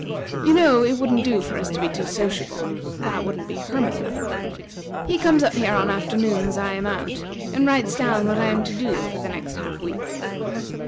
You know it wouldn't do for us to be too sociable. That wouldn't be hermit like. He comes up here on the afternoons I am out, and writes down what I am to do for the next half week."